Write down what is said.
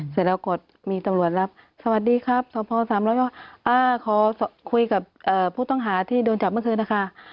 เสร็จแล้วกดมีตำรวจรับสวัสดีครับสพสามร้อยย่อขอคุยกับผู้ต้องหาที่โดนจับเมื่อคืนนะคะ